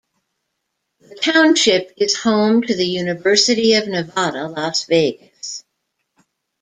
The township is home to the University of Nevada, Las Vegas.